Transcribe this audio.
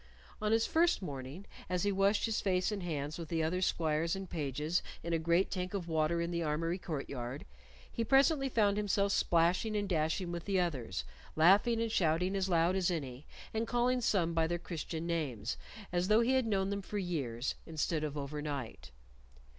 On his first morning, as he washed his face and hands with the other squires and pages in a great tank of water in the armory court yard, he presently found himself splashing and dashing with the others, laughing and shouting as loud as any, and calling some by their Christian names as though he had known them for years instead of overnight.